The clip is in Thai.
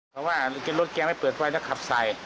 รักษาคนขับยังไงบ้างครับ